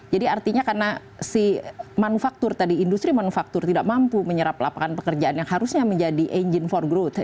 artinya karena si manufaktur tadi industri manufaktur tidak mampu menyerap lapangan pekerjaan yang harusnya menjadi engine for growth